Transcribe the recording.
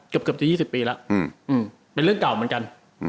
กับ๒๐ปีล่ะเป็นเรื่องกัน